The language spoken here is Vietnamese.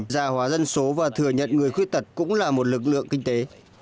gia hóa dân số và thừa nhận người khuyết tật cũng là một lực lượng kinh tế